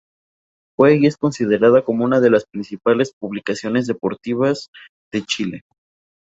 Fue y es considerada como una de las principales publicaciones deportivas de Chile.